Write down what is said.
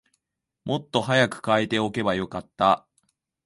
もっと早く替えておけばよかった